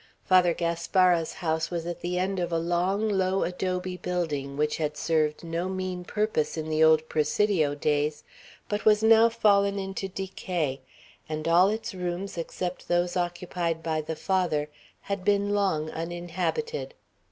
Father Gaspara's house was at the end of a long, low adobe building, which had served no mean purpose in the old Presidio days, but was now fallen into decay; and all its rooms except those occupied by the Father, had been long uninhabited.